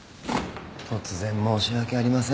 突然申し訳ありません。